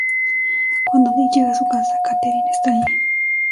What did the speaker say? Cuando Nick llega a su casa, Catherine está allí.